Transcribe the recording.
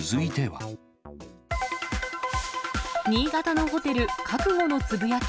新潟のホテル、覚悟のつぶやき。